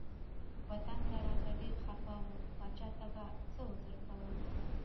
وطن ته راته ډیر خپه و پاچا ته به څه عذر کوم.